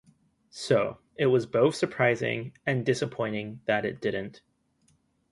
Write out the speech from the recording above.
So it was both surprising and disappointing that it didn't.